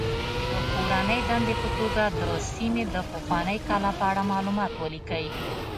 د کورنۍ دندې په توګه د سیمې د پخوانۍ کلا په اړه معلومات ولیکئ.